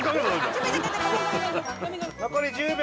残り１０秒。